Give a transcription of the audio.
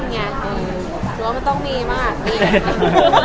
ก็ว่ามันต้องมีมากมีแค่นี้